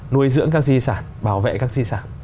nuôi dưỡng các di sản bảo vệ các di sản